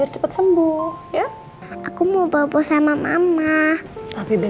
cepat sembuh ya